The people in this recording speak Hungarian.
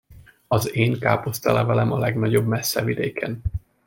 Az én káposztalevelem a legnagyobb messze vidéken.